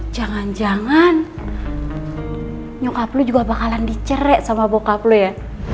jangan jangan nyokap lu juga bakalan dicere sama bokap lu ya